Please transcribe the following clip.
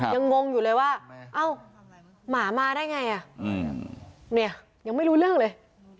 งงอยู่เลยว่าเอ้าหมามาได้ไงอ่ะเนี่ยยังไม่รู้เรื่องเลย